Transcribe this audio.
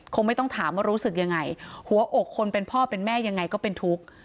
คงไม่ต้องถามว่ารู้สึกยังไงหัวอกคนเป็นพ่อเป็นแม่ยังไงก็เป็นทุกข์